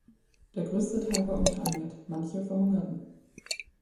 Der größte Teil war unterernährt, manche verhungerten.